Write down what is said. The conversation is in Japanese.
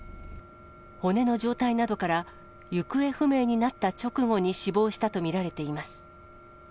骨の状態などから、行方不明になった直後に死亡したと見られています。